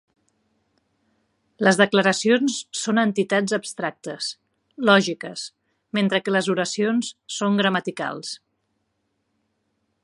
Les declaracions són entitats abstractes, lògiques, mentre que les oracions són gramaticals.